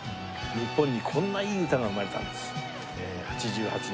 日本にこんないい歌が生まれたんです。